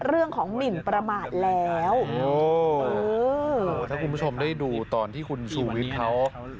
หมินประมาทแล้วถ้าคุณผู้ชมได้ดูตอนที่คุณชูวิทย์เขา